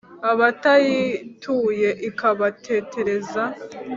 abatayituye ikabatetereza.